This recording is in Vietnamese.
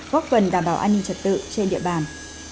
góp phần đảm bảo an ninh trật tự trên địa bàn